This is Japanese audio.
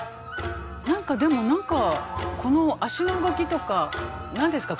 何かでも何かこの足の動きとか何ですか？